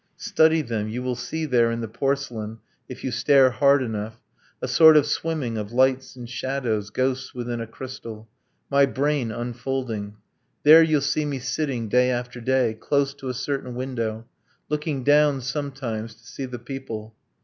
Study them ... you will see there, in the porcelain, If you stare hard enough, a sort of swimming Of lights and shadows, ghosts within a crystal My brain unfolding! There you'll see me sitting Day after day, close to a certain window, Looking down, sometimes, to see the people